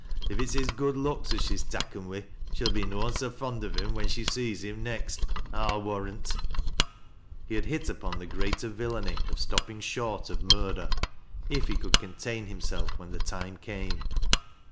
If it's his good looka as she's takken wi', she'll be noan so fond on him when she gees him next, I'll warrant." He had hit upon the greater villainy of stoppmg short of murder, if he could contain himself when the time f,ame.